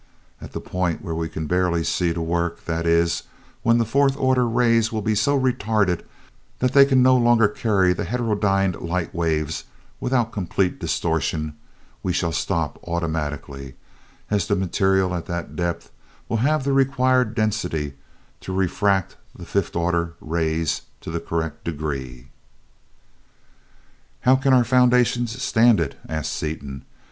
At the point where we can barely see to work; that is, when the fourth order rays will be so retarded that they can no longer carry the heterodyned light waves without complete distortion, we shall stop automatically, as the material at that depth will have the required density to refract the fifth order rays to the correct degree." "How can our foundations stand it?" asked Seaton.